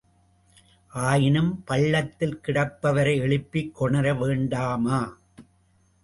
ஆயினும் பள்ளத்தில் கிடப்பவரை எழுப்பிக் கொணர வேண்டாமா?